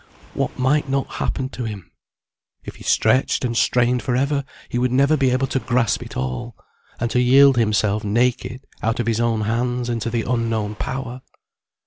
What might not happen to him? If he stretched and strained for ever he would never be able to grasp it all, and to yield himself naked out of his own hands into the unknown power!